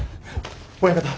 親方。